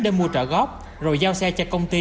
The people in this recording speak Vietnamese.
để mua trợ góp rồi giao xe cho công ty